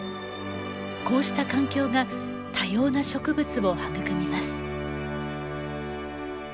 こうした環境が多様な植物を育みます。